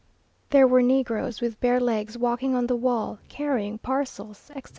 There were negroes with bare legs walking on the wall, carrying parcels, etc.